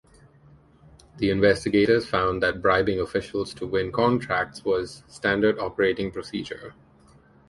The investigators found that bribing officials to win contracts was standard operating procedure.